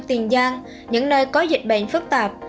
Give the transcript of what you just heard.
tiền giang những nơi có dịch bệnh phức tạp